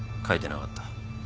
書いてなかった。